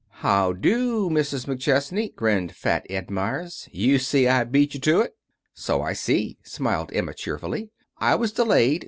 "How do, Mrs. McChesney," grinned Fat Ed Meyers. "You see I beat you to it." "So I see," smiled Emma, cheerfully. "I was delayed.